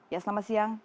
ya selamat siang